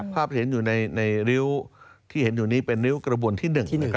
ภาพเห็นอยู่ในริ้วที่เห็นอยู่นี้เป็นริ้วกระบวนที่๑